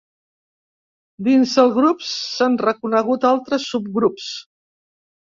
Dins del grup, s'han reconegut altres subgrups.